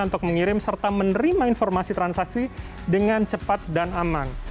untuk mengirim serta menerima informasi transaksi dengan cepat dan aman